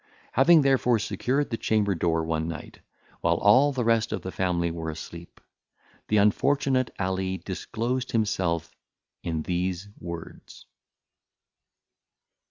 Having, therefore, secured the chamber door one night, while all the rest of the family were asleep, the unfortunate Ali disclosed himself in these words.